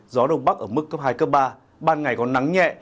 gió đông bắc ở mức cấp hai ba ban ngày còn nắng nhẹ